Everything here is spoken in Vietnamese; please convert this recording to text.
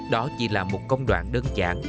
đó chỉ là một công đoạn đơn giản